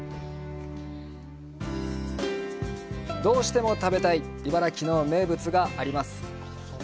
どうしても食べたい茨城の名物があります。